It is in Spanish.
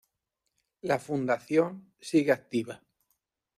La fundación sigue activa.